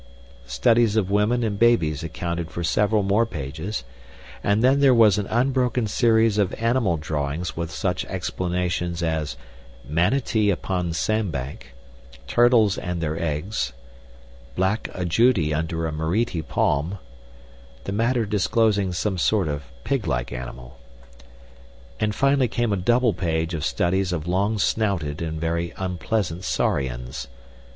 Studies of women and babies accounted for several more pages, and then there was an unbroken series of animal drawings with such explanations as "Manatee upon Sandbank," "Turtles and Their Eggs," "Black Ajouti under a Miriti Palm" the matter disclosing some sort of pig like animal; and finally came a double page of studies of long snouted and very unpleasant saurians.